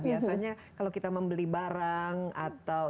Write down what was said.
biasanya kalau kita membeli barang atau